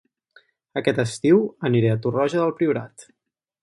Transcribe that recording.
Aquest estiu aniré a Torroja del Priorat